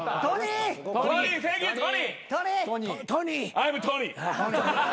アイムトニー。